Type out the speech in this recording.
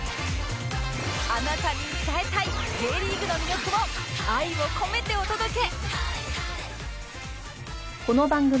あなたに伝えたい Ｊ リーグの魅力を愛を込めてお届け！